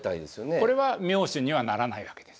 これは妙手にはならないわけです。